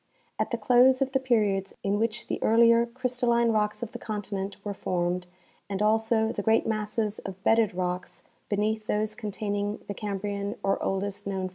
At the close of the periods in which the earlier crystalline rocks of the conti nent were formed, and also the great masses of bedded rocks beneath those containing the Cambrian or oldest known fauna, *See Am.